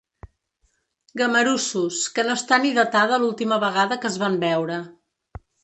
Gamarussos, que no està ni datada l’última vegada que es van veure.